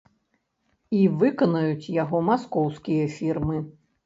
І выканаюць яго маскоўскія фірмы.